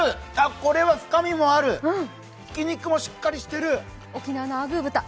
これは深みもある、ひき肉もしっかりしてる。